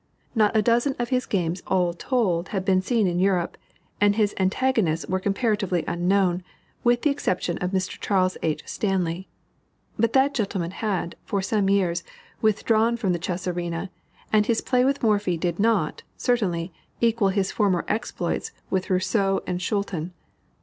Not a dozen of his games all told had been seen in Europe, and his antagonists were comparatively unknown, with the exception of Mr. Charles H. Stanley. But that gentleman had, for some years, withdrawn from the chess arena, and his play with Morphy did not, certainly, equal his former exploits with Rousseau and Schulten.